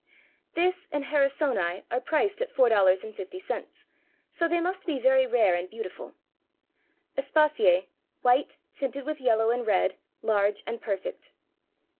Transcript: This and Harrisoni, are priced at $4.50, so they must be very rare and beautiful. Aspasie, white, tinted with yellow and red; large and perfect.